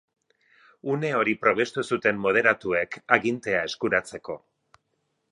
Une hori probestu zuten moderatuek agintea eskuratzeko.